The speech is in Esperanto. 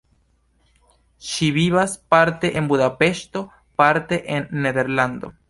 Ŝi vivas parte en Budapeŝto, parte en Nederlando.